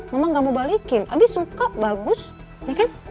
mama nggak mau balikin abis suka bagus ya kan